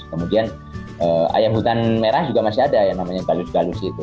kemudian ayam hutan merah juga masih ada yang namanya galus galus itu